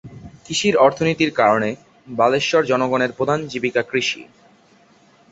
কৃষির অর্থনীতির কারণে, বালেশ্বর জনগণের প্রধান জীবিকা কৃষি।